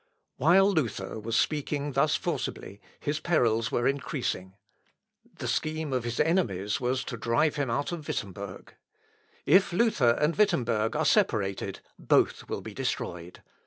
While Luther was speaking thus forcibly, his perils were increasing. The scheme of his enemies was to drive him out of Wittemberg. If Luther and Wittemberg are separated, both will be destroyed.